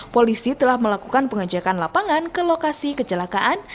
polisi telah melakukan pengejakan lapangan ke lokasi kecelakaan